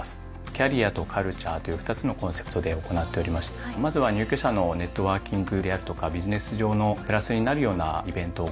キャリアとカルチャーという２つのコンセプトで行っておりましてまずは入居者のネットワーキングであるとかビジネス上のプラスになるようなイベントを行っていたりだとか。